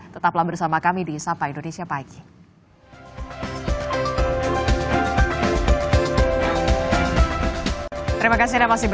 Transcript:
tetaplah bersama kami di sapa indonesia bike